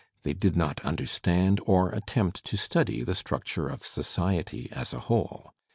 They did not understand or attempt to study the structure of society as a whole.